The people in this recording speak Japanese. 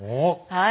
はい。